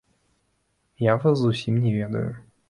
Я вас зусім не ведаю.